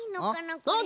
これ。